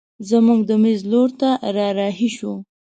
زموږ د مېز لور ته رارهي شوه.